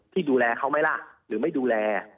ที่ดูแลเขาไหมล่ะหรือไม่ดูแล